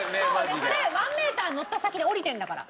それワンメーター乗った先で降りてるんだから。